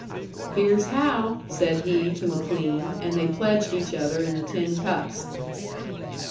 "Here's how!" said he to McLean. And they pledged each other in the tin cups.